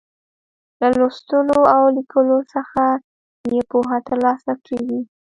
له لوستلو او ليکلو څخه يې پوهه تر لاسه کیږي.